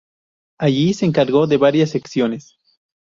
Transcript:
Allí, se encargó de varias secciones.